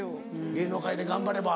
芸能界で頑張れば。